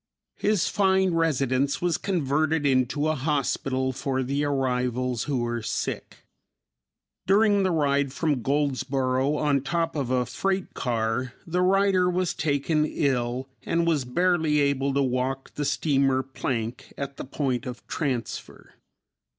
His fine residence was converted into a hospital for the arrivals who were sick. During the ride from Goldsboro on top of a freight car, the writer was taken ill and was barely able to walk the steamer plank at the point of transfer.